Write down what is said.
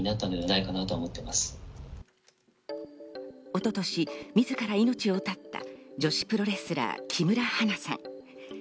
一昨年、自ら命を絶った、女子プロレスラー・木村花さん。